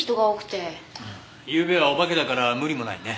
ゆうべはお化けだから無理もないね。